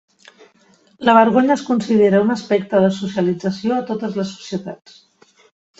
La vergonya es considera un aspecte de socialització a totes les societats.